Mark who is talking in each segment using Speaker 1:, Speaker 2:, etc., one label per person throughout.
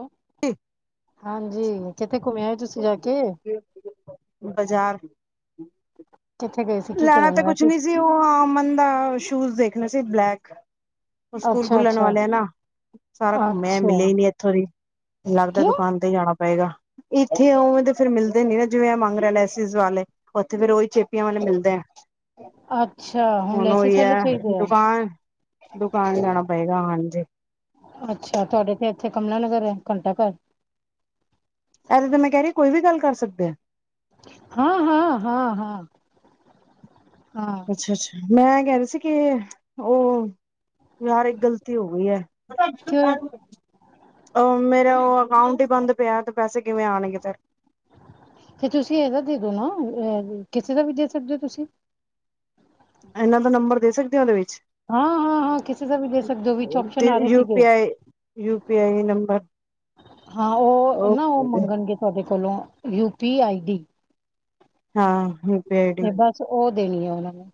Speaker 1: Hello
Speaker 2: [unintelligible]
Speaker 1: ਹਾਂਜੀ ਕਿੱਥੇ ਘੁੰਮ ਆਏ ਤੁਸੀਂ ਜਾ ਕੇ?
Speaker 2: ਬਜ਼ਾਰ।
Speaker 1: ਕਿੱਥੇ ਗਏ ਸੀ ਕੀ
Speaker 2: ਲੈਣਾ
Speaker 1: ਕਰਨ
Speaker 2: ਤਾਂ ਕੁਛ
Speaker 1: ਵੈਸੇ
Speaker 2: ਨਹੀਂ ਸੀ, ਉਹ ਅਮਨ ਦਾ ਸ਼ੂਜ ਦੇਖਣਾ ਸੀ ਬਲੈਕ। ਸਕੂਲ
Speaker 1: ਅੱਛਾ
Speaker 2: ਖੁੱਲਣ
Speaker 1: ਅੱਛਾ
Speaker 2: ਵਾਲੇ ਐ ਨਾ। ਸਾਰਾ ਘੁੰਮ ਆਏ
Speaker 1: ਅੱਛਾ
Speaker 2: ਮਿਲੇਯਾ ਹੀ ਨੀ ਇੱਥੋਂ ਦੀ ਲੱਗਦਾ
Speaker 1: ਕਿਉਂ
Speaker 2: ਦੁਕਾਨ ਜਾਣਾ ਪਏਗਾ। ਇੱਥੇ ਉਵੇਂ ਦੇ ਫਿਰ ਮਿਲਦੇ ਨੀ ਨਾ। ਜਿਵੇਂ ਏ ਮੰਗ ਰਿਹਾ ਲੈਸਿਸ ਵਾਲੇ। ਉੱਥੇ ਫੇਰ ਉਹੀ ਚੇਪੀਆਂ ਵਾਲੇ ਮਿਲਦੇ ਐ।
Speaker 1: ਅੱਛਾ
Speaker 2: ਹੁਣ
Speaker 1: ਲੈਸਸ
Speaker 2: ਉਹੀ
Speaker 1: ਵਾਲੇ
Speaker 2: ਹੈ
Speaker 1: ਚਾਹੀਦੇ ਆ
Speaker 2: ਦੁਕਾਨ ਦੁਕਾਨ ਜਾਣਾ ਪਏਗਾ ਹਾਂਜੀ।
Speaker 1: ਅੱਛਾ ਤੁਹਾਡੇ ਪੇਕੇ ਕਮਲਾ ਨਗਰ ਐ ਘੰਟਾ ਘਰ।
Speaker 2: ਇਹਦੇ ਤੇ ਮੈਂ ਕਹਿ ਰਹੀ ਐ ਕੋਈ ਵੀ ਗੱਲ ਕਰ ਸਕਦੇ ਐ।
Speaker 1: ਹਾਂ, ਹਾਂ, ਹਾਂ, ਹਾਂ, ਹਾਂ।
Speaker 2: ਅੱਛਾ-ਅੱਛਾ ਮੈਂ ਕਹਿ ਰਹੀ ਸੀ ਕਿ ਉਹ ਯਾਰ ਇੱਕ ਗਲਤੀ ਹੋ ਗਈ ਹੈ।
Speaker 1: ਕਿਉਂ
Speaker 2: ਔ ਮੇਰਾ ਉਹ ਅਕਾਊਂਟ ਹੀ ਬੰਦ ਪਿਆ ਤੇ। ਪੈਸੇ ਕਿਵੇਂ ਆਉਣਗੇ ਫਿਰ
Speaker 1: ਤੇ ਤੁਸੀਂ ਇਹਦਾ ਦੇ ਦੋ ਨਾ ਅ ਕਿਸੇ ਦਾ ਵੀ ਦੇ ਸਕਦੇ ਹੋ ਤੁਸੀਂ।
Speaker 2: ਇਹਨਾਂ ਦਾ ਨੰਬਰ ਦੇ ਸਕਦੇ ਆਂ ਉਹਦੇ ਵਿੱਚ।
Speaker 1: ਹਾਂ, ਹਾਂ, ਹਾਂ ਕਿਸੇ ਦਾ ਵੀ ਦੇ ਸਕਦੇ ਹੋ ਵਿੱਚ ਆਪਸ਼ਨ ਆ ਰਹੇ
Speaker 2: ਯੂ
Speaker 1: ਸੀਗੇ।
Speaker 2: P I U P I number.
Speaker 1: ਹਾਂ ਉਹ ਨਾ ਉਹ ਮੰਗਣਗੇ ਤੁਹਾਡੇ ਕੋਲੋਂ ਯੂ ਪੀ ਆਈ ਡੀ।
Speaker 2: ਹਾਂ, ਬੜ
Speaker 1: ਤੇ ਬਸ ਉਹ ਦੇਣੀ ਆ ਉਹਨਾ ਨੂੰ।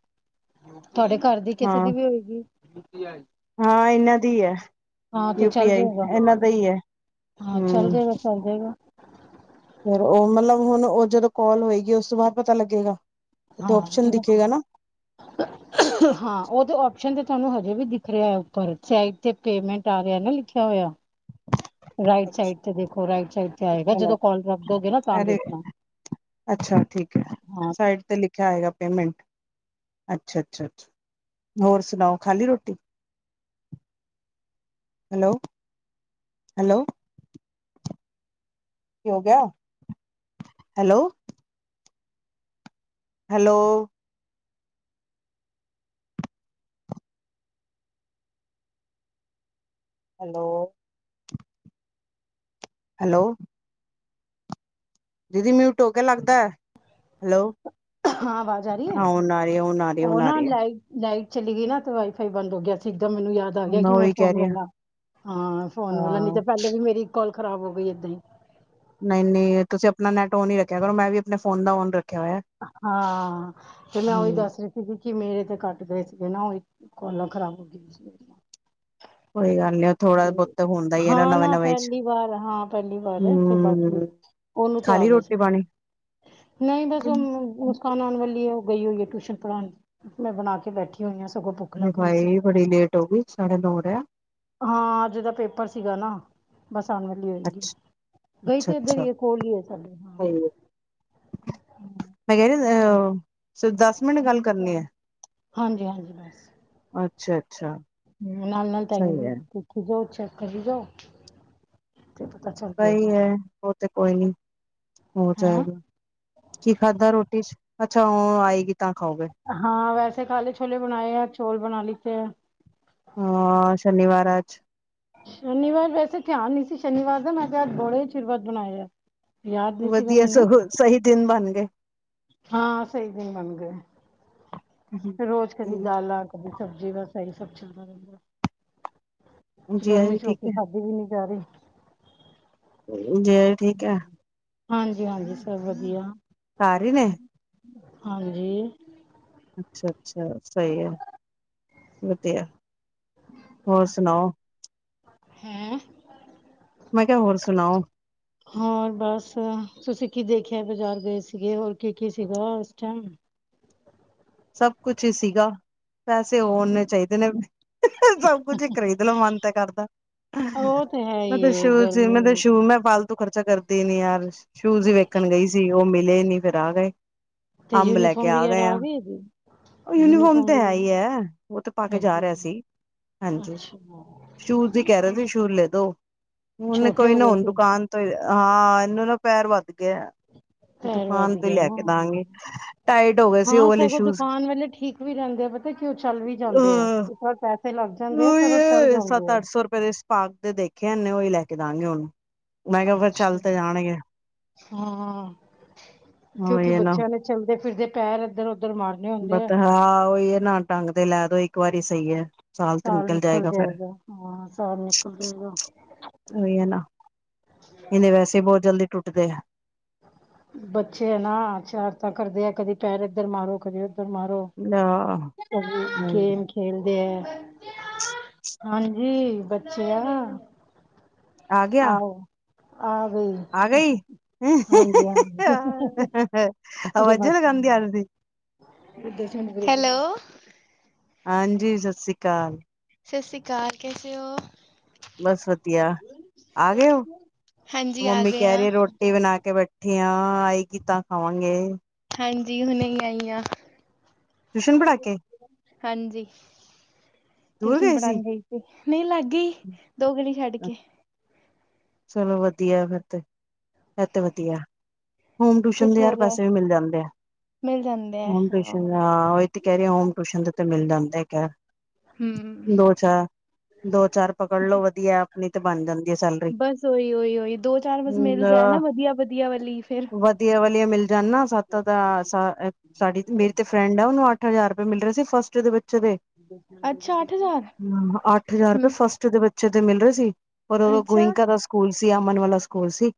Speaker 1: ਤੁਹਾਡੇ ਘਰ ਦੀ ਕਿਸੇ
Speaker 2: ਹਾਂ
Speaker 1: ਦੀ ਵੀ ਹੋਏਗੀ।
Speaker 2: ਹਾਂ, ਇਹਨਾਂ ਦੀ ਹੈ
Speaker 1: ਹਾਂ ਤੇ
Speaker 2: ਯੂ ਪੀ
Speaker 1: ਚੱਲ
Speaker 2: ਆਈ
Speaker 1: ਜਾਏਗਾ
Speaker 2: ਇਹਨਾਂ ਦਾ ਹੀ ਹੈ।
Speaker 1: ਹਾਂ, ਚੱਲ
Speaker 2: ਹਮ
Speaker 1: ਜਾਏਗਾ-ਚੱਲ ਜਾਏਗਾ।
Speaker 2: ਫਿਰ ਉਹ ਮਤਲਬ ਹੁਣ ਉਹ ਜਦੋਂ ਕਾਲ ਹੋਏਗੀ, ਉਸ ਤੋਂ ਬਾਅਦ ਪਤਾ ਲੱਗੇਗਾ। ਉੱਥੇ
Speaker 1: ਹਾਂ।
Speaker 2: ਓਪਸ਼ਨ ਦਿਖੇਗਾ ਨਾ
Speaker 1: ਹਾਂ, ਉਹ ਤੇ ਆਪਸ਼ਨ ਤੇ ਤੁਹਾਨੂੰ ਹਜੇ ਵੀ ਦਿਖ ਰਿਹਾ ਹੈ। ਉੱਪਰ ਸਾਈਡ ਤੇ ਪੇਮੈਂਟ ਆ ਰਿਆ ਹੈ ਨਾ ਲਿਖਿਆ ਹੋਇਆ। ਰਾਈਟ ਸਾਈਡ ਤੇ ਦੇਖੋ, ਰਾਈਟ ਸਾਈਡ ਤੇ ਆਏਗਾ ਜਦੋਂ ਕਲ ਰੱਖ ਦੋ ਗਏ ਨਾ ਤਾਂ
Speaker 2: ਅਰੇ
Speaker 1: ਦੇਖਣਾ।
Speaker 2: ਅੱਛਾ ਠੀਕ ਹੈ।
Speaker 1: ਹਾਂ
Speaker 2: ਸਾਈਡ ਤੇ ਲਿਖ ਲਿਖਿਆ ਹੈਏਗਾ ਪੇਮੈਂਟ ਅੱਛਾ, ਅੱਛਾ, ਅੱਛਾ ਹੋਰ ਸੁਣਾਓ ਖਾਲੀ ਰੋਟੀ? ਹੈਲੋ-ਹੈਲੋ। ਕੀ ਹੋ ਗੇਆ ਹੈਲੋ। ਹੈਲੋ। ਹੈਲੋ। ਹੈਲੋ। ਦੀਦੀ ਮਿੳਟ ਹੋ ਗੇ ਲੱਗਦਾ ਐ ਹੈਲੋ।
Speaker 1: ਹਾਂ ਆਵਾਜ਼ ਆ ਰਹੀ ਹੈ
Speaker 2: ਹ ਹੁਨ ਆਈ ਏ ਹੁਨ ਆਰੀ ਏ
Speaker 1: ਉਹ
Speaker 2: ਹੁਨ
Speaker 1: ਨਾ
Speaker 2: ਆਰੀ ਏ।
Speaker 1: ਲਾਈਟ ਲਾਈਟ ਚਲੀ ਗਈ ਨਾ ਤੇ ਵਾਈਫਾਈ ਬੰਦ ਹੋ ਗਿਆ ਸੀ ਇੱਕਦਮ ਮੈਨੂੰ ਯਾਦ ਆ ਗਿਆ ਕਿ ਮੈਂ
Speaker 2: ਉਹੀ ਕਹਿ
Speaker 1: ਫੋਨ
Speaker 2: ਰਹੀ ਹਾਂ
Speaker 1: ਵਲਾ, ਹਾਂ ਫੋਨ ਵਲਾ ਨੀ
Speaker 2: ਹਾਂ
Speaker 1: ਤੇ ਪੇਲੇ ਵੀ ਮੇਰੀ ਕੋਾਲ ਖਰਾਬ ਹੋ ਗਈ ਏਦਾਂ ਈ।
Speaker 2: ਨਈ-ਨਈ ਤੁਸੀਂ ਅਪਣਾ ਨੈਟ ਔਨ ਹੀ ਰੱਖਿਆ ਕਰੋ, ਮੈਂ ਵੀ ਆਪਣੇ ਫੋਨ ਦਾ ਔਨ ਰੱਖਿਆ ਹੋਇਆ।
Speaker 1: ਹਾਂ, ਤੇ ਮੈਂ ਉਈ
Speaker 2: ਹਮ
Speaker 1: ਦੱਸ ਰੀ ਸੀ ਕਿ ਮੇਰੇ ਤੇ ਕੱਟ ਗਏ ਸੀਗੇ ਨਾ ਉਹ ਕੋਲਾਂ ਖ਼ਰਾਬ ਹੋ ਗਈਆਂ ਸੀ ਮੇਰੀਆਂ।
Speaker 2: ਕੋਈ ਗੱਲ ਨੀ ਥੋੜਾ ਬਹੁਤ ਹੁੰਦਾ ਹੀ ਹੈ
Speaker 1: ਹਾਂ
Speaker 2: ਨਵੇਂ
Speaker 1: ਨਾ
Speaker 2: ਨਵੇਂ ਚ
Speaker 1: ਪੇਲੀ ਵਾਰ ਏ ਪੇਲੀ ਵਾਰ ਫੇਰ
Speaker 2: ਹਮ
Speaker 1: [inaudible] ਉਨੂੰ ਤੇ
Speaker 2: ਖਾ
Speaker 1: ਆ
Speaker 2: ਲਈ
Speaker 1: ਗਏ ਸੀ
Speaker 2: ਰੋਟੀ ਪਾਣੀ
Speaker 1: ਨਹੀਂ ਬਸ। ਮੁਸਕਾਨ ਆਣ ਵਾਲੀ ਏ ਉ ਗਈ ਹੋਈ ਏ ਟਿਊਸ਼ਨ ਪੜ੍ਹਾਣ ਮੈਂ ਬਣਾ ਕੇ ਬੈਠੀ ਹੋਈ ਆ ਸਗੋਂ ਭੁੱਖ
Speaker 2: ਅਰੇ
Speaker 1: ਲਗ ਰਹੀ ਸੀ।
Speaker 2: ਭਾਈ ਬੜੀ ਲੇਟ ਹੋ ਗਈ ਸਾਡੇ ਨੋ ਹੋ ਰੇਹੇ ਆ।
Speaker 1: ਹਾਂ ਅਜ ਦਾ ਪੇਪਰ ਸੀਗਾ ਨਾ। ਬਸ ਆਣ ਵਲੀ ਹੋਏਗੀ
Speaker 2: ਅੱਛਾ
Speaker 1: ਗਈ
Speaker 2: ਅੱਛਾ
Speaker 1: ਤੇ ਏਧਰ ਈ
Speaker 2: ਅੱਛਾ
Speaker 1: ਏ ਕੋਲ ਈ ਏ ਸਾਡੇ।
Speaker 2: [inaudible] ਦਸ ਮਿੰਟ ਗੱਲ ਕਰਨੀ ਏ
Speaker 1: ਹਾਂਜੀ-ਹਾਂਜੀ ਬਸ।
Speaker 2: ਅੱਛਾ-ਅੱਛਾ।
Speaker 1: ਨਾਲ-ਨਾਲ ਟਾਈਮ ਦੇਖੀ ਜਾਓ ਚੈੱਕ ਕਰੀ ਜਾਓ ਤੇ ਪਤਾ ਚੱਲ
Speaker 2: ਸਈ
Speaker 1: ਜਾਏਗਾ
Speaker 2: ਏ ਉ ਤੇ ਕੋਈ ਨੀ। ਹੋ
Speaker 1: ਹੈਂ
Speaker 2: ਜਾਏਗਾ ਕੀ ਖਾਧਾ ਰੋਟੀ ਚ ਅੱਛਾ ਉ ਆਏਗੀ ਤਾਂ ਖਾਓਗੇ।
Speaker 1: ਹਾਂ, ਵੈਸੇ ਕਾਲੇ ਛੋਲੇ ਬਣਾਏ ਏ ਚੋਲ ਬਣਾ ਲਿਤੇ ਏ।
Speaker 2: ਹਾਂ ਸ਼ਨੀਵਾਰ ਏ ਆੱਜ।
Speaker 1: ਸ਼ਨੀਵਾਰ ਵੈਸੇ ਧਿਆਨ ਨੀ ਸੀ ਸ਼ਨੀਵਾਰ ਦਾ ਮੈਂ ਤੇ ਆਜ ਬੜੇ ਚਿਰ ਬਾਦ ਬਣਾਏ ਏ।
Speaker 2: ਵਧੀਏ ਸਗੋ ਸਹੀ ਦਿਨ ਬਣ ਗਏ।
Speaker 1: ਹਾਂ ਸਈ ਦਿਨ ਬਨ ਗਏ। ਰੋਜ਼ ਕਦੀ ਦਾਲਾਂ ਕਦੀ ਸਬਜ਼ੀ ਬਸ ਏਹੀ ਸਭ ਚੱਲਦਾ ਰੇੰਦਾ।
Speaker 2: ਜੀਆ
Speaker 1: ਗਰਮੀ
Speaker 2: ਜੀ
Speaker 1: ਚ
Speaker 2: ਠੀਕ
Speaker 1: ਰੋਟੀ
Speaker 2: ਹੈ
Speaker 1: ਖਾਦੀ ਵੀ ਨੀ ਜਾ ਰਰੀ।
Speaker 2: ਜੀਜਾ ਜੀ ਠੀਕ ਏ।
Speaker 1: ਹਾਂਜੀ-ਹਾਂਜੀ ਸਭ ਵਧੀਆ।
Speaker 2: ਘਾਰ ਈ ਨੇ।
Speaker 1: ਹਾਂਜੀ।
Speaker 2: ਅੱਛਾ-ਅੱਛਾ ਸਈ ਏ ਵਧੀਆ ਹੋਰ ਸੁਣਾਓ।
Speaker 1: ਹੈਂ।
Speaker 2: ਮੈਂ ਕਿਆ ਹੋਰ ਸੁਣਾਓ।
Speaker 1: [inaudible] ਹੋਰ ਬਸ ਤੁਸੀਂ ਕੀ ਦੇਖਿਏ ਬਾਜ਼ਾਰ ਗਏ ਸੀਗੇ, ਹੋਰ ਕੀ ਕੀ ਸੀਗਾ ਉਸ ਟੇਮ।
Speaker 2: ਸਭ ਕੁਛ ਹੀ ਸੀਗਾ। ਪੈਸੇ ਹੋਨੇ ਚਾਈਦੇ ਨੇ ਸਭ ਕੁਝ ਖਰੀਦ ਲਵਾਂ ਮਨ ਤੇ ਕਰਦਾ।
Speaker 1: ਉ ਤੇ
Speaker 2: [inaudible]
Speaker 1: ਹੈ ਹੀ ਹੈ ਗਰਮੀ
Speaker 2: ਤੁ ਖਰਚਾ ਕਰਦੀ ਨੀ ਯਾਰ, ਸ਼ੂਜ ਵੇਖਣ ਗਈ
Speaker 1: ਅੱਛਾ
Speaker 2: ਸੀ ਉ ਮਿਲੇ ਨੀ ਫੇਰ ਆ ਗਏ। ਆੰਬ ਲੈ ਕੇ ਆ ਗਏ ਆ।
Speaker 1: ਜੀ- ਜੀ।
Speaker 2: ਉ ਯੂਨੀਫੋਮ ਤੇ ਹੈ ਹੀ ਹੈ ਉ ਤੇ ਪਾ ਕੇ ਜਾ
Speaker 1: ਹੈਗੀ
Speaker 2: ਰਿਆ ਸੀ
Speaker 1: ਹੈ
Speaker 2: ਹਾਂਜੀ
Speaker 1: ਅੱਛਾ
Speaker 2: ਸ਼ੂ ਕੇ ਰਿਆ ਸੀ ਸ਼ੂ ਲੈ ਦੋ ਹੁਨ
Speaker 1: ਛੋਟੇ
Speaker 2: ਕੋਈ
Speaker 1: ਹੋ
Speaker 2: ਨਾ
Speaker 1: ਗਏ
Speaker 2: ਹੁਣ
Speaker 1: ਸੀ
Speaker 2: ਦੁਕਾਨ ਹਾਂ ਇਹਨੂੰ ਨਾ ਪੈਰ ਵੱਧ ਗਏ ਆ।
Speaker 1: ਪੈਰ ਵੱਧ
Speaker 2: ਦੁਕਾਨ ਤੇ
Speaker 1: ਗਿਆ
Speaker 2: ਲੈ
Speaker 1: ਨਾ
Speaker 2: ਕੇ ਦਾਂਗੇ ਟਾਈਟ ਹੋ ਗਏ ਸੀ ਔ ਵਾਲੇ ਸ਼ੂਜ
Speaker 1: ਪਾਨ ਵੇਲੇ ਠੀਕ ਵੀ ਰੈਂਦੇ ਆ ਪਤਾ ਕਿ ਚੱਲ ਵੀ ਜਾਂਦੇ ਆ
Speaker 2: ਅ
Speaker 1: ਇੱਕ ਵਾਰ ਪੈਸੇ ਲੱਗ ਜਾਂਦੇ ਆ
Speaker 2: ਉਹੀ
Speaker 1: ਪਰ ਔ ਚੱਲ
Speaker 2: ਹੈ
Speaker 1: ਜਾਂਦੇ
Speaker 2: ਸੱਤ
Speaker 1: ਆ
Speaker 2: ਅੱਠ ਸੌ ਰੁਪੇ ਦੇ ਸਪਾਕ ਦੇ ਦੇਖੇ ਐ ਏਨੇ ਓਹੀ ਲੈ ਕੇ ਦਾਂਗੇ ਹੁਨ।
Speaker 1: ਅੱਛਾ ਹਾਂ ਹਾਂ ਕਯੋਕਿ
Speaker 2: ਉਹੀ ਹੈ ਨਾ
Speaker 1: ਬੱਚਿਆਂ ਨੇ ਚੱਲਦੇ ਫਿਰਦੇ ਪੈਰ ਏਧਰ ਔਧਰ ਮਾਰਦ
Speaker 2: ਬੱਤਾ ਹਾਂ ਔਯੀ ਏ ਨਾ ਢੰਗ ਦੇ ਲੈ ਦੋ ਇੱਕ ਵਾਰੀ ਸਹੀ ਐ।
Speaker 1: ਸਾਲ ਨਿਕਲ ਜਾਏਗਾ ਹਾਂ ਸਾਲ ਨਿਕਲ ਜੇਗਾ।
Speaker 2: ਔਹੀ ਏ ਨਾ ਇਦੇ ਵੈਸੇ ਵੀ ਬੋਤ ਜਲਦੀ ਟੁੱਟਦੇ ਐ।
Speaker 1: ਬੱਚੇ ਐ ਸ਼ਰਾਰਤਾਂ ਕਰਦੇ ਐ ਕਦੇ ਪੈਰ ਏੱਧਰ ਮਾਰ ਕਦੇ ਔਧਰ ਮਾਰ। ਲੌ
Speaker 2: ਆ
Speaker 1: ਕਦੀ ਗੇਮ ਖੇ ਖੇਲਦੇ ਐ ਹਾਂਜੀ ਬੱਚੇ ਆ।
Speaker 2: ਆ ਗਆ।
Speaker 1: ਆਓ ਆ ਗਈ। ਹਾਂਜੀ ਹਾਂਜੀ ਜੇ
Speaker 2: ਆਵਾਜ਼ਾਂ
Speaker 1: ਵੱਕ।
Speaker 2: ਲਗਾਉਂਦੀ ਆ ਤੁਸੀਂ
Speaker 1: ਹੈਲੋ।
Speaker 2: ਹਾਂਜੀ ਸਸ ਸੀ ਅਕਾਲ।
Speaker 1: ਸਸ ਸ਼੍ਰੀ ਅਕਾਲ ਕੇਸੇ ਓ?
Speaker 2: ਬਸ ਵਧੀਆ ਆ ਗਏ ਔ
Speaker 1: ਹਾਂਜੀ ਆ
Speaker 2: ਮੰਮੀ
Speaker 1: ਗਏ
Speaker 2: ਕੇ
Speaker 1: ਆ
Speaker 2: ਰੀ ਰੋਟੀ ਬਨਾ ਕੇ ਬੈਠ ਆ ਆਏ ਗੀ ਤਾ ਸਵਾਂਗੇ।
Speaker 1: ਹਾਂਜੀ ਹੁਨੇ ਈ ਆਈ ਆ।
Speaker 2: ਟਿਊਸ਼ਨ ਪੜ੍ਹਾ ਕੇ
Speaker 1: ਹਾਂਜੀ
Speaker 2: ਦੂਰ
Speaker 1: ਟਿਯੂਸ਼ਨ
Speaker 2: ਗਏ
Speaker 1: ਪੜਨ ਗਈ ਸੀ ਨਈ ਲੱਗ ਗਈ। ਦੋ ਗਲੀ ਛੱਡ ਕੇ।
Speaker 2: ਚਲੋ ਵਧੀਐ ਫੇਰ ਤੇ ਫੇਰ ਤੇ ਵਧੀਆ ਐ। ਹੋਮ ਟੂਸ਼ੱਨ
Speaker 1: ਕੁਛ
Speaker 2: ਦੇ
Speaker 1: ਹੋ
Speaker 2: ਯਾਰ
Speaker 1: ਜਾਏ
Speaker 2: ਪੇਸੇ ਵੀ ਮਿਲ ਜਾਂਦੇ ਐ।
Speaker 1: ਮਿਲ ਜਾਂਦੇ। ਆ
Speaker 2: ਹੋਮ
Speaker 1: ਹਾਂ
Speaker 2: ਟਿਯੂਸ਼ਨ ਆ ਔਈ ਤੇ ਕੇ ਰਈ ਆ ਹੋਮ ਟੂਸ਼ਨ ਦੇ ਤੇ ਮਿਲ ਜਾਂਦੇ ਆ ਖੈਰ।
Speaker 1: ਹੂੰ।
Speaker 2: ਦੋ ਚਾਰ ਪਕੜ ਲੋ ਵਧੀਆ ਐ ਅਪਨੀ ਤੇ ਬਨ ਜਾਂਦੀ ਐ ਸੇਲ
Speaker 1: ਬਸ ਔਈ ਔਈ ਔਈ ਦੋ ਚਾਰ ਬਸ ਮਿਲ ਜਾਏ ਨਾ ਵਧੀਆ ਵਧੀਆ ਵਲੀ ਫੇਰ
Speaker 2: ਵਧੀਆ ਵਲੀਆਂ ਮਿਲ ਜਾਨ ਨਾ ਸੱਤ ਸਤ ਆ ਸ ਐ ਸਾਡੀ ਮੇਰੀ ਤੇ ਫਰੈਂਡ ਔਨੂੰ ਅੱਠ ਹਜਾਰ ਰੁਪੇ ਮਿਲ ਰੇ ਸੀ ਫਸਟ ਦੇ ਬੱਚੇ ਦੇ।
Speaker 1: ਅੱਛਾ ਅੱਠ ਹਜ਼ਾਰ
Speaker 2: ਹੂੰ ਅੱਠ ਹਜਾਰ ਰੁਪੇ ਫਸਟ ਬੱਚੇ ਦੇ ਬੱਚੇ ਦੇ ਮਿਲ ਰੇ ਸੀ ਪਰ ਔਈ
Speaker 1: ਅੱਛਾ
Speaker 2: ਗੋਇੰਕਾ ਦਾ ਸਕੂਲ ਸੀ ਅਮਨ ਵਾਲਾ ਸਕੂਲ ਸੀ।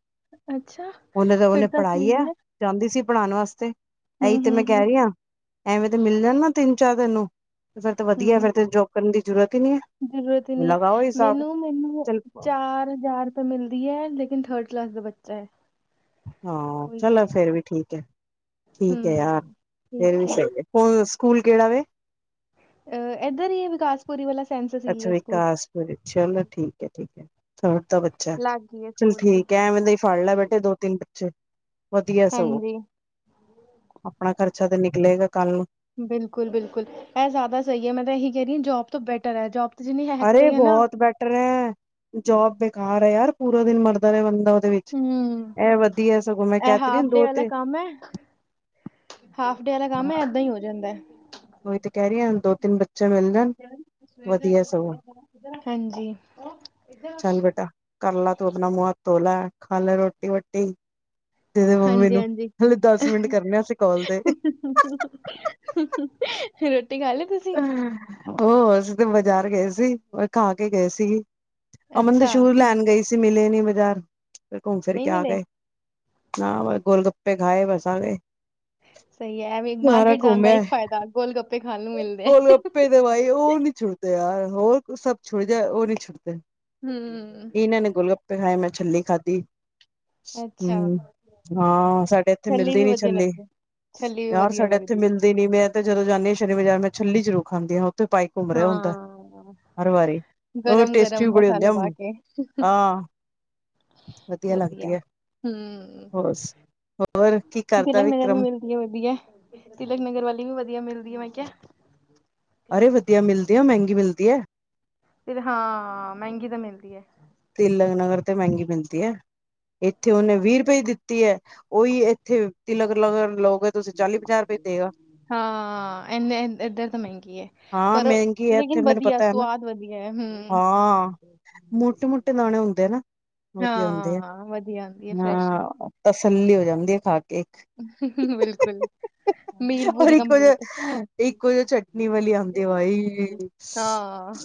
Speaker 1: ਅੱਛਾ
Speaker 2: ਉਹਨੇ ਤਾਂ
Speaker 1: ਫੇਰ
Speaker 2: ਉਹਨੇ
Speaker 1: ਤਾ
Speaker 2: ਪੜ੍ਹਾਈ ਹੈ
Speaker 1: ਸਈ ਐ।
Speaker 2: ਜਾਂਦੀ ਸੀ ਪੜਾਨ ਵਾਸਤੇ ਐਈ ਤੇ
Speaker 1: ਹਮ
Speaker 2: ਮੈਂ ਕੇ
Speaker 1: ਹਮ
Speaker 2: ਰਈ ਆ ਐਵੇ ਦੇ ਮਿਲ ਜਾਨ ਨਾ ਤਿੰਨ ਚਾਰ ਤੈਨੂੰ। ਤੇ ਫੇਰ ਤੇ ਵਧੀਆ ਐ ਫੇਰ ਤੇ ਜੋਬ ਕਰਨ ਦੀ ਜਰੂਰਤ ਈ ਨੀ ਐ।
Speaker 1: ਜਰੂਰਤ ਈ ਨੀ ਐ ਮੈਨੂੰ ਮੈਨੂੰ
Speaker 2: ਚੱਲ
Speaker 1: ਚਾਰ ਹਜਾਰ ਮਿਲਦੀ ਐ ਲੇਕਿਨ ਥਰਡ ਕਲਾਸ ਦਾ ਬੱਚਾ ਐ।
Speaker 2: ਹਾਂ ਚਲੋ ਫੇਰ ਵੀ ਠੀਕ ਏ ਠੀਕ ਏ ਯਾਰ
Speaker 1: ਹੂੰ
Speaker 2: ਫੇਰ ਵੀ
Speaker 1: ਠੀਕ ਹੈ
Speaker 2: ਸਯੀ ਏ। ਔ ਸਕੂਲ ਕੇੜਾ ਵੇ?
Speaker 1: ਐੱਧੱਰ ਈ ਏ ਵਿਕਾਸ ਪੂਰੀ ਵਲਾ ਸੈਂਂਨਸੱਦ।
Speaker 2: ਅੱਛਾ ਵਿਕਾਸਪੁਰ ਚਲੋ ਠੀਕ ਏ ਠੀਕ ਏ ਛੋਟਾ ਵ ਅਛਾ
Speaker 1: ਲੱਗ ਗਈ ਹੈ
Speaker 2: ਚੱਲ
Speaker 1: ਸਕੂਲ ਵੀ
Speaker 2: ਠੀਕ ਐ ਐਵੇ ਦੇ ਈ ਫੜ ਲੈ ਬੇਟੇ ਦੋ ਤਿੰਨ ਬੱਚੇ ਵਧੀਆ ਐ ਸਗੋ।
Speaker 1: ਹਾਂਜੀ
Speaker 2: ਅਪਣਾ ਖਰਚਾ ਤੇ ਨਿਕਲੇਗਾ ਕੱਲ ਨੂੰ।
Speaker 1: ਬਿਲਕੁਲ ਬਿਲਕੁਲ ਐ ਜਦਾ ਸਹੀ ਐ ਮੈਂ ਤਾਂ ਏਈ ਕਹ ਰਈ ਆਂ ਜੋਬ ਤੋਂ ਬੈਟਰ ਐ ਜੋਬ
Speaker 2: ਅਰੇ ਬੋਹੋਤ ਬੈਟਰ ਐ ਜੋਬ ਬੇਕਾਰ ਐ ਯਾਰ ਪੂਰਾ ਦਿਨ ਮਰਦਾ ਰਏ ਬੰਦਾ ਔਦੇ ਵਿੱਚ।
Speaker 1: ਹੂੰ
Speaker 2: ਐ ਵਧੀਆ ਸਗੋ, ਮੈਂ
Speaker 1: ਇਹ
Speaker 2: ਕਹਿ ਤੇ ਰਹੀ ਆਂ
Speaker 1: ਹਾਫ ਡੇ
Speaker 2: ਦੋ
Speaker 1: ਵਾਲਾ
Speaker 2: ਤੇ
Speaker 1: ਕੰਮ ਹੈ ਹਾਫ ਡੇ ਆਲਾ ਕੰਮ ਐ, ਐਦਾਂ ਈ ਹੋ ਜਾਂਦੈ।
Speaker 2: ਓਈ ਤੇ ਕਹ ਰਈ ਆਂ, ਦੋ-ਤਿੰਨ ਬੱ
Speaker 1: ਹਾਂਜੀ।
Speaker 2: ਕਰਲਾ ਤੂੰ ਅਪਣਾ ਮੂੰਹ ਹੱਥ ਧੋਲਾ, ਖਾਲੈ ਰ੍ਹੋਟੀ-ਵੋਟੀ। ਤੇਰੇ ਮੰਮੀ
Speaker 1: ਹਾਂਜੀ
Speaker 2: ਨੂੰ,
Speaker 1: ਹਾਂਜੀ
Speaker 2: ਹਾਲੇ ਦੱਸ ਮਿੰਟ ਕਰਨੇ ਅਸੀ ਕੌਲ ਤੇ।
Speaker 1: ਰੋਟੀ ਖਾਲੀ, ਤੁਸੀ?
Speaker 2: ਹੂੰ, ਉਹ ਅਸੀਂ ਤੇ ਬਜ਼ਾਰ ਗਏ ਸੀ, ਓਈ ਖਾਕੇ ਗਏ ਸੀ। ਅਮਨ ਦੇ
Speaker 1: ਅੱਛਾ
Speaker 2: ਸ਼ੂ
Speaker 1: ਕਿ-
Speaker 2: ਲੈਣ ਗਈ ਸੀ ਮਿਲੇ ਨੀ ਬਜ਼ਾਰ, ਫਿਰ
Speaker 1: ਨਹੀਂ
Speaker 2: ਘੁੰਮ-ਫਿਰਕੇ ਆ
Speaker 1: ਮਿਲੇ
Speaker 2: ਗਏ। ਨਾ ਗੋਲਗੱਪੇ ਖਾਏ, ਬਸ ਆ ਗਏ।
Speaker 1: ਸਹੀ ਐ ਵੀ
Speaker 2: ਸਾਰਾ
Speaker 1: ਮਾਰਕੀਟ ਜਾਣ ਦਾ ਇੱਕ ਫਾਇਦਾ, ਗੋਲਗੱਪੇ ਖਾਣ ਨੂੰ ਮਿਲ
Speaker 2: ਗੋਲਗੱਪੇ, ਦਵਾਈ, ਉਹ ਨੀ ਛੁਟਦੇ ਯਾਰ, ਹੋਰ ਸਭ ਛੁਟ ਜਾਏ, ਉਹ ਨੀ ਛੁਟਦੇ।
Speaker 1: ਹੂੰ
Speaker 2: ਕਿ ਇਹਨਾਂ ਨੇ ਗੋਲਗੱਪੇ ਖਾਏ, ਮੈਂ ਛੱਲੀ ਖਾਦੀ।
Speaker 1: ਅੱਛਾ
Speaker 2: ਹੂੰ, ਹਾਂ ਸਾਡੇ ਇੱਥੇ
Speaker 1: ਛੱਲੀ
Speaker 2: ਮਿਲਦੀ
Speaker 1: ਵੀ
Speaker 2: ਨੀ
Speaker 1: ਵਧੀਆ
Speaker 2: ਛੱਲੀ।
Speaker 1: ਲੱਗਦੀ ਛੱਲੀ ਵੀ
Speaker 2: ਯਾਰ
Speaker 1: ਵਧੀਆ
Speaker 2: ਸਾਡੇ ਇੱਥੇ
Speaker 1: ਲੱਗਦੀ ਹੈ।
Speaker 2: ਮਿਲਦੀ ਨੀ, ਮੈਂ ਤੇ ਜਦੋਂ ਜਾਂਨੀ ਆ ਸ਼ਨੀ ਬਜ਼ਾਰ, ਮੈਂ ਛੱਲੀ ਜ਼ਰੂਰ ਖਾਂਦੀ ਆ, ਉੱਥੇ ਪਾਈ ਘੁੰਮ ਰਿਹਾ ਹੁੰਦਾ,
Speaker 1: ਹਾਂ
Speaker 2: ਹਰ ਵਾਰੀ। ਉਹ
Speaker 1: ਗਰਮ
Speaker 2: ਟੇਸਟੀ
Speaker 1: ਗਰਮ
Speaker 2: ਵੀ ਬੜੀ ਹੁੰਦੇ
Speaker 1: ਮਸਾਲੇ
Speaker 2: ਆ,
Speaker 1: ਪਾ ਕੇ
Speaker 2: ਆ। ਵਧੀਆ ਲੱਗਦੀ ਐ,
Speaker 1: ਹਮ
Speaker 2: ਹੋਸ, ਹੋਰ ਕੀ ਕਰਦਾ
Speaker 1: ਤਿਲਕ ਨਗਰ ਵੀ
Speaker 2: ਵਿਕਰਮ
Speaker 1: ਮਿਲਦੀ ਐ ਵਧੀਆ, ਤਿਲਕ ਨਗਰ ਵਾਲੀ ਵੀ ਵਧੀਆ ਮਿਲਦੀ ਏ, ਮੈਂ ਕਿਹਾ।
Speaker 2: ਅਰੇ ਵਧੀਆ ਮਿਲਦੇ ਆ, ਮਹਿੰਗੀ ਮਿਲਦੀ ਐ।
Speaker 1: ਫਿਰ, ਹਾਂ, ਮਹਿੰਗੀ ਤਾ ਮਿਲਦੀ ਐ।
Speaker 2: ਤਿਲਕ ਨਗਰ ਤੇ ਮਹਿੰਗੀ ਮਿਲਦੀ ਏ। ਇੱਥੇ ਉਹਨੇ ਵੀਹ ਰੁਪਏ ਦਿੱਤੀ ਏ, ਉਹੀ ਇੱਥੇ ਤਿਲਕ ਲਗਰ ਲੋਗ
Speaker 1: ਹਾਂ, ਇੰਨੇ, ਏਧਰ ਤਾਂ ਮਹਿੰਗੀ ਏ।
Speaker 2: ਹਾਂ
Speaker 1: ਪਰ,
Speaker 2: ਮਹਿੰਗੀ ਹੈ ਇੱਥੇ
Speaker 1: ਲੇਕਿਨ
Speaker 2: ਮੈਨੂੰ
Speaker 1: ਵਧੀਆ,
Speaker 2: ਪਤਾ ਹੈ ਨਾ
Speaker 1: ਸਵਾਦ ਵਧੀਆ ਏ, ਹੂੰ।
Speaker 2: ਮ੍ਹੋਟੇ-ਮ੍ਹੋਟੇ ਦਾਣੇ ਹੁੰਦੇ ਆ ਨਾ, ਵਧੀਆ ਹੁੰਦੇ ਆ,
Speaker 1: ਹਾਂ ਵਧੀਆ ਆਉਂਦੀ ਹੈ ਫਰੈਸ਼
Speaker 2: ਹਾਂ। ਤਸੱਲੀ ਹੋ ਜਾਂਦੀ ਏ, ਖਾਕੇ।
Speaker 1: ਬਿਲਕੁਲ। ਮੀਲ
Speaker 2: ਔਰ
Speaker 1: ਪੂਰੀ
Speaker 2: ਇੱਕੋ ਜਿ
Speaker 1: ਕੰਪਲੀਟ,
Speaker 2: ਇੱਕੋ ਜਿ ਚਟਨੀ ਵਾਲੀ ਆਉਂਦੀ ਬਾਈ
Speaker 1: ਹਾਂ।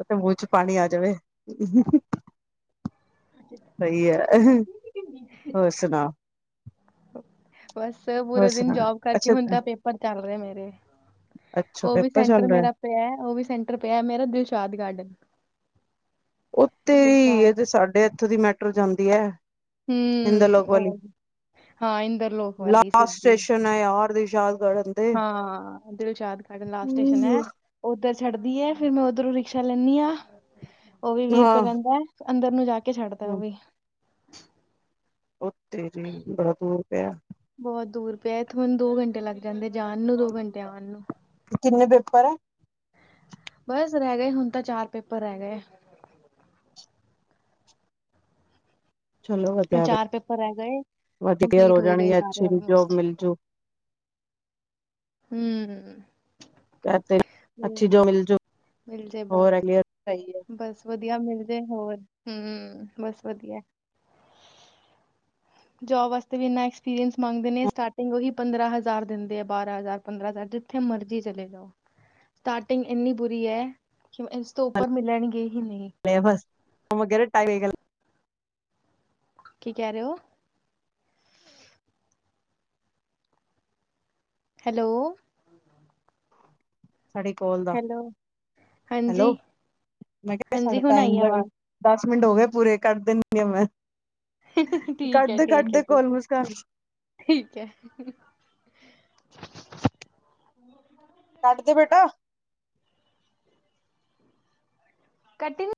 Speaker 2: ਇਥੇ ਮੂੰਹ'ਚ ਪਾਣੀ ਆ ਜਵੇ। ਸਹੀ ਐ, ਹੋਰ ਸੁਣਾ?
Speaker 1: ਬਸ ਤੇ
Speaker 2: ਹੋਰ
Speaker 1: ਪੂਰੇ ਦਿਨ
Speaker 2: ਸੁਣਾ
Speaker 1: ਜੋਬ ਕਰਕੇ
Speaker 2: ਅੱਛਾ
Speaker 1: ਹੁਣ ਤਾਂ ਪੇਪਰ ਚੱਲ ਰਹੇ ਮੇਰੇ,
Speaker 2: ਅੱਛਾ
Speaker 1: ਉਹ ਵੀ
Speaker 2: ਪੇਪਰ ਚੱਲ
Speaker 1: ਸੈਂਟਰ
Speaker 2: ਰਿਹਾ
Speaker 1: ਮੇਰਾ ਪਿਆ, ਉਹ ਵੀ ਸੈਂਟਰ ਪਿਆ, ਮੇਰਾ ਦਿਲਸ਼ਾਦ ਗਾਰਡਨ।
Speaker 2: ਓ ਤੇਰੀ,
Speaker 1: ਦਿਲਸ਼ਾਦ
Speaker 2: ਇਹ ਤੇ ਸਾਡੇ ਇੱਥੋਂ ਦੀ ਮੈਟਰੋ ਜਾਂਦੀ ਐ। ਹਿੰਦ ਲੋਕ
Speaker 1: ਹੂੰ ਉਹ
Speaker 2: ਵਾਲੀ,
Speaker 1: ਹਾਂ ਇੰਦਰਲੋਕ ਵਾਲੀ
Speaker 2: ਲਾਸ
Speaker 1: ਸਿੱਧੀ
Speaker 2: ਸਟੇਸ਼ਨ ਯਾਰ ਦੀਸ਼ਾਦ ਕ
Speaker 1: ਹਾਂ, ਦਿਲਸ਼ਾਦ ਖਡਨ ਲਾਸਟ ਸਟੇਸ਼ਨ ਐ। ਉੱਧਰ ਛੱਡਦੀ ਏ, ਫੇਰ ਮੈਂ ਉੱਧਰੋਂ ਰਿਕਸ਼ਾ ਲੈਂਨੀ ਆ, ਉਹ ਵੀ ਵੀਹ
Speaker 2: ਹਾਂ
Speaker 1: ਰੁਪਏ ਲੈਂਦਾ। ਅੰਦਰ ਨੂੰ ਜਾਕੇ ਛੱਡਦਾ ਉਹ ਵੀ।
Speaker 2: ਉੱਥੇ ਜੀ, ਬੜਾ ਦੂਰ ਪਿਆ।
Speaker 1: ਬਹੁਤ ਦੂਰ ਪਿਆ, ਇੱਥੇ ਮੈਨੂੰ ਦੋ ਘੰਟੇ ਲੱਗ ਜਾਂਦੇ ਜਾਣ ਨੂੰ, ਦੋ ਘੰਟੇ ਆਣ ਨੂੰ।
Speaker 2: ਕਿੰਨੇ ਪੇਪਰ ਐ?
Speaker 1: ਬਸ ਰਹਿ ਗਏ ਹੁਣ ਤਾਂ ਚਾਰ ਪੇਪਰ ਰਹਿ ਗਏ ਐ
Speaker 2: ਚਲੋ ਵਧੀਆ ਐ ਵੇ
Speaker 1: ਚਾਰ ਪੇਪਰ ਰਹਿ ਗਏ
Speaker 2: ਬਾਕੀ ਕਲੀਅਰ
Speaker 1: ਕੰਪਲੀਟ
Speaker 2: ਰੋ
Speaker 1: ਹੋ ਹੀ ਗਏ
Speaker 2: ਜਾਣਗੇ
Speaker 1: ਸਾਰੇ
Speaker 2: ਅੱਛੀ ਜੋਬ
Speaker 1: ਆਲਮੋਸਟ।
Speaker 2: ਮਿਲ ਜੂ
Speaker 1: ਹੂ
Speaker 2: ਕ ਤੇ ਅੱਛੀ ਜੋਬ ਮਿਲ ਜੂ
Speaker 1: ਮਿਲ ਜੇ ਬਸ,
Speaker 2: ਹੋਰ ਹੈਗੇ ਸਹੀ ਹੈ
Speaker 1: ਬਸ ਵਧੀਆ ਮਿਲ ਜਾਏ ਹੋਰ ਹੂ ਬਸ ਵਧੀਆ ਜੋਬ ਵਾਸਤੇ ਵੀ ਇੰਨਾ ਐਕਸਪੀਰੀਅੰਸ ਮੰਗਦੇ ਨੇ ਸਟਾਰਟਿੰਗ ਉਹੀ ਪੰਦਰਾਂ ਹਜ਼ਾਰ ਦਿੰਦੇ ਆ ਬਾਰਾਂ ਹਜ਼ਾਰ ਪੰਦਰਾਂ ਹਜ਼ਾਰ ਜੀਥੇ ਮਰਜ਼ੀ ਚਲੇ ਜਾਓ ਸਟਾਰਟਿੰਗ ਇੰਨੀ ਬੁਰੀ ਹੈ ਕਿ ਇਸ ਤੋਂ ਉੱਪਰ ਮਿਲਣਗੇ ਹੀ ਨਹੀਂ
Speaker 2: [inaudible]
Speaker 1: ਕੀ ਕਹ ਰੇ ਔ। ਹੈਲੋ।
Speaker 2: ਸਾਡੀ ਕੋਲ ਦਾ
Speaker 1: ਹੈਲੋ ਹਾਂਜੀ,
Speaker 2: ਹੈਲੋ ਮੈਂ ਕਿਆ ਸਾਡੇ
Speaker 1: ਹਾਂਜੀ ਹੁਣ
Speaker 2: ਟਾਈਮ
Speaker 1: ਆਈ
Speaker 2: ਦਾ
Speaker 1: ਆਵਾਜ਼।
Speaker 2: ਦਾਸ ਮਿੰਟ ਹੋਗੇ ਪੂਰੇ ਕਰਦੇ ਨ ਨੀ ਮੈਂ
Speaker 1: ਠੀਕ ਹੈ,
Speaker 2: ਕੱਟਦੇ
Speaker 1: ਠੀਕ ਹੈ,
Speaker 2: ਕੱਟਦੇ ਕੋਲ
Speaker 1: ਠੀਕ ਹੈ,
Speaker 2: ਮੁਸਕਾਨ
Speaker 1: ਠੀਕ ਐ।
Speaker 2: ਕੱਡਦੇ ਬੇਟਾ।
Speaker 1: ਕਟੀ ਨੀ।